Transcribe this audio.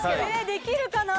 できるかな？